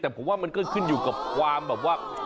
แต่ผมว่ามันก็ขึ้นอยู่กับความแบบว่า